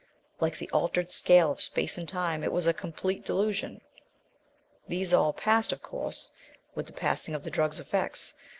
Like the altered scale of space and time it was a complete delusion. These all passed, of course, with the passing of the drug's effects.